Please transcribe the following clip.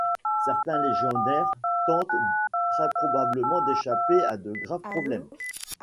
Certains légionnaires tentent très probablement d'échapper à de graves problèmes.